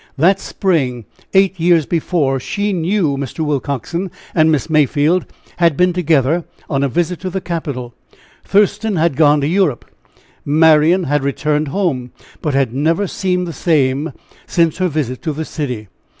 That spring, eight years before, she knew Mr. Willcoxen and Miss Mayfield had been together on a visit to the capital. Thurston had gone to Europe, Marian had returned home, but had never seemed the same since her visit to the city.